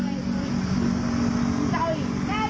มันไปใจ